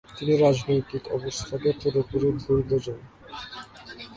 তিনি রাজনৈতিক অবস্থাকে পুরোপুরি ভুল বোঝেন।